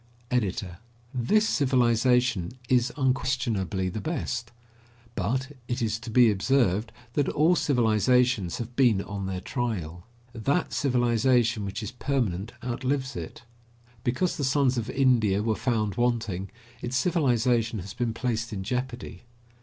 EDITOR: This civilization is unquestionably the best; but it is to be observed that all civilizations have been on their trial. That civilization which is permanent outlives it. Because the sons of India were found wanting, its civilization has been placed in jeopardy.